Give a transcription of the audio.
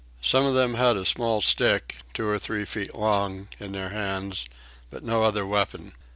Some of them had a small stick, two or three feet long, in their hands, but no other weapon.